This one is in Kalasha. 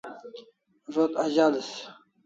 Zo't azalis